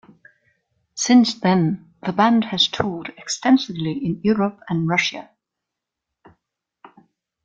Since then the band has toured extensively in Europe and Russia.